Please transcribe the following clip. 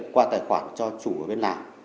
qua tài khoản cho chủ ở bên lào